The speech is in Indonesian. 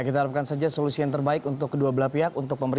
kita harapkan saja solusi yang terbaik untuk kedua belah pihak